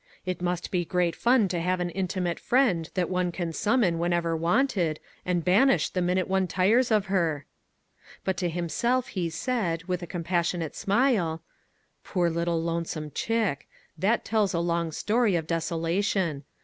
It must be great fun to have an intimate friend that one can summon whenever wanted, and banish the minute one tires of her." But to himself he said, with a compas sionate smile :" Poor lonesome little chick ! that tells a long story of desolation.